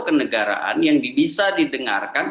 kenegaraan yang bisa didengarkan